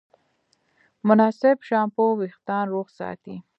مناسب شامپو وېښتيان روغ ساتي.